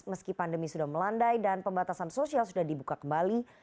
meski pandemi sudah melandai dan pembatasan sosial sudah dibuka kembali